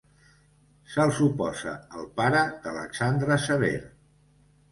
Se'l suposa el pare d'Alexandre Sever.